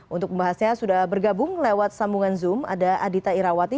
untuk membahasnya sudah bergabung lewat sambungan zoom ada adita irawati